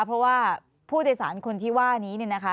เพราะว่าผู้โดยสารคนที่ว่านี้เนี่ยนะคะ